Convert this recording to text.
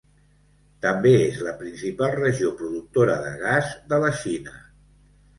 També és la principal regió productora de gas de la Xina.